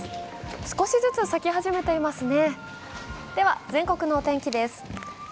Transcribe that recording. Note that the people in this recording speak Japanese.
少しずつ咲き始めていますね。